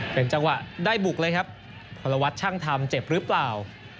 เป็นจังหวะได้บุกเลยครับพลวัตรช่างทำเจ็บหรือเปล่า